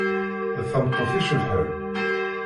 D tameṭṭut icebḥen.